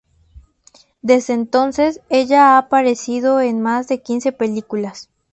Desde entonces, ella ha aparecido en más de quince películas.